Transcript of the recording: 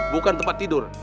bukan tempat tidur